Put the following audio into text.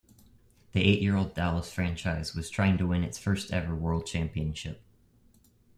The eight-year-old Dallas franchise was trying to win its first ever world championship.